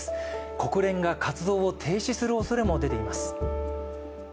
国連が活動を停止するおそれも出ています。